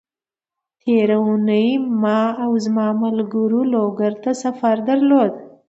تېره اونۍ ما او زما ملګرو لوګر ته سفر درلود،